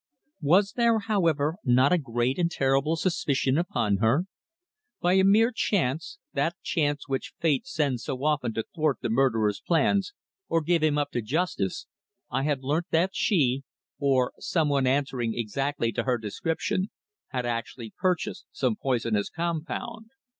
Was there, however, not a great and terrible suspicion upon her? By a mere chance, that chance which Fate sends so often to thwart the murderer's plans or give him up to justice, I had learnt that she or some one answering exactly to her description had actually purchased some poisonous compound.